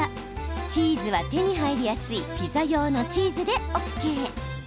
チーズは手に入りやすいピザ用のチーズでＯＫ。